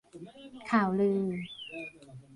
ข่าวลือ